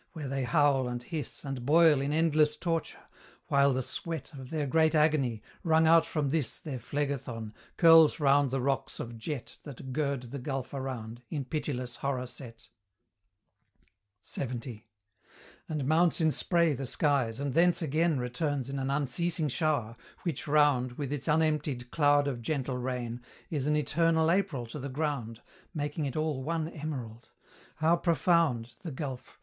where they howl and hiss, And boil in endless torture; while the sweat Of their great agony, wrung out from this Their Phlegethon, curls round the rocks of jet That gird the gulf around, in pitiless horror set, LXX. And mounts in spray the skies, and thence again Returns in an unceasing shower, which round, With its unemptied cloud of gentle rain, Is an eternal April to the ground, Making it all one emerald. How profound The gulf!